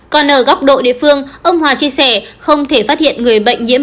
còn ở góc độ địa phương ông hòa chia sẻ không thể phát hiện người bệnh nhiễm